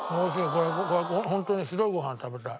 これホントに白いご飯食べたい。